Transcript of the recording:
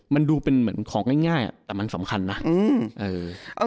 มันดูเป็นเหมือนของง่ายแต่มันสำคัญนะ